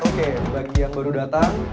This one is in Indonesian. oke bagi yang baru datang